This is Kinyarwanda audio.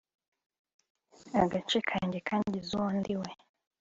agace kanjye kangize uwo ndiwe